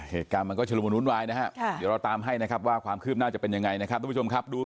เหตุการณ์มันก็ชุลมุลวุ่นวายนะครับเดี๋ยวเราตามให้นะครับว่าความคืบน่าจะเป็นยังไงนะครับ